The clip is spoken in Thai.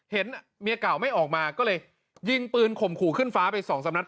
เห็นเมียเก่าไม่ออกมาก็เลยยิงปืนข่มขู่ขึ้นฟ้าไปสองสามนัด